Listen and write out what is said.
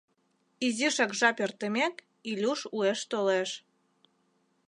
Изишак жап эртымек, Илюш уэш толеш.